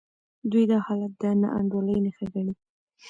دوی دا حالت د ناانډولۍ نښه ګڼي.